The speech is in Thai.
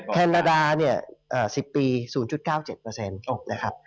แคนดาเนี่ย๑๐ปี๐๙๗เปอร์เซ็นต์นะครับ